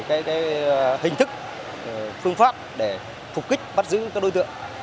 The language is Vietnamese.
thay đổi cái hình thức phương pháp để phục kích bắt giữ các đối tượng